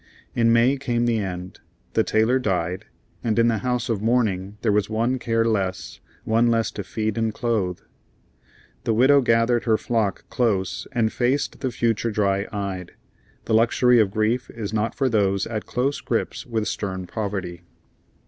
In May came the end. The tailor died, and in the house of mourning there was one care less, one less to feed and clothe. The widow gathered her flock close and faced the future dry eyed. The luxury of grief is not for those at close grips with stern poverty.